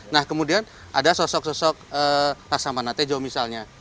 nah kemudian ada sosok sosok pasamanatejo misalnya